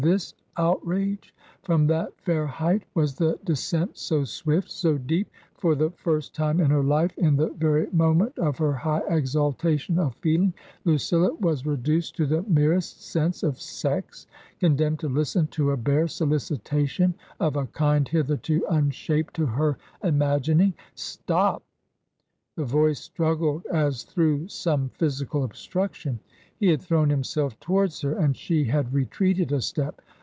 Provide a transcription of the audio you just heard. — this outrage/ From that fair height was the descent so swifl, so deep? For the first time in her life, in the very moment of her high exaltation of feel 276 TRANSITION. ing, Lucilla was reduced to the merest sense of Sex, condemned to listen to a bare solicitation of a kind hitherto unshaped to her imagining. "Stop!" — the voice struggled as through some physical obstruction. He had thrown himself towards her, and she had re treated a step.